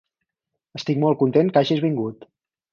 Estic molt content que hagis vingut.